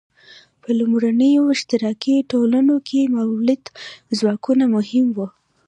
په لومړنیو اشتراکي ټولنو کې مؤلده ځواکونه مهم وو.